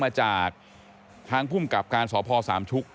มาจากทางภูมิกับการสพสามชุก